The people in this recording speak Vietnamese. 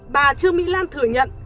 bà trương mỹ lan thừa nhận